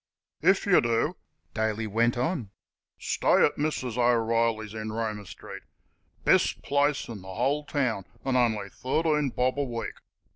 "If yer do" Daly went on "stay at Mrs. O'Reilly's, in Roma street. Best place in th' whole town, an' on'y thirteen bob a week.